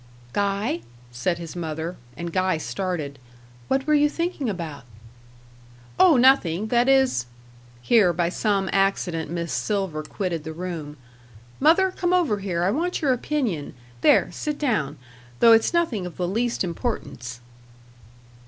"Guy," said his mother (and Guy started), "what were you thinking about?" "Oh, nothing; that is " here, by some accident, Miss Silver quitted the room. "Mother, come over here, I want your opinion. There, sit down though it's nothing of the least importance."